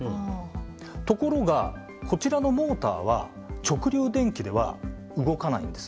ところがこちらのモーターは直流電気では動かないんです。